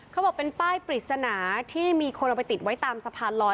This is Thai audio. เขาบอกเป็นป้ายปริศนาที่มีคนเอาไปติดไว้ตามสะพานลอย